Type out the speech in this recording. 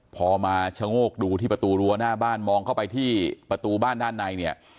พอมาชะโงกดูที่ประตูรั้วหน้าบ้านมองเข้าไปที่ประตูบ้านด้านในเนี่ย